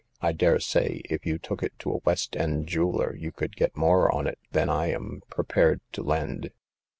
I dare say if you took it to a West end jeweler you could get more on it than I am pre pared to lend.